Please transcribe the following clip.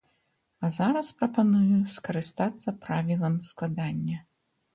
А зараз прапаную скарыстацца правілам складання.